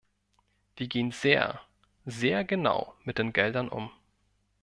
Wir gehen sehr, sehr genau mit den Geldern um.